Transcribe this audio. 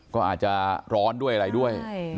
ก็อาจจะร้อนด้วยอะไรด้วย